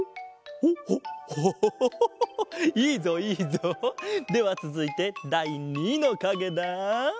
ほうほうオホホホホいいぞいいぞ！ではつづいてだい２のかげだ。